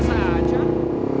kok cakep banget lo